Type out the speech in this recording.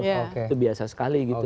itu biasa sekali gitu